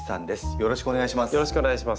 よろしくお願いします。